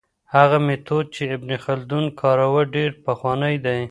هغه میتود چې ابن خلدون کاروه ډېر پخوانی دی.